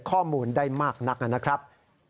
ข้อมูลได้มากนักนะครับ